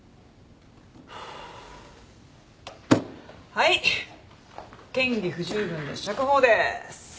はい嫌疑不十分で釈放でーす！